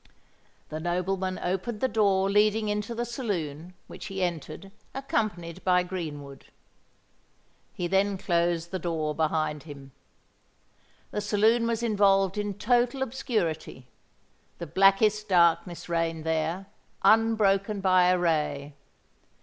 The nobleman opened the door leading into the saloon, which he entered, accompanied by Greenwood. He then closed the door behind him. The saloon was involved in total obscurity; the blackest darkness reigned there, unbroken by a ray.